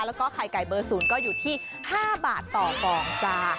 แล้วก็ไข่ไก่เบอร์๐ก็อยู่ที่๕บาทต่อฟองจ้า